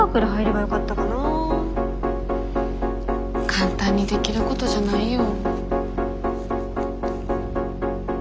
簡単にできることじゃないよ。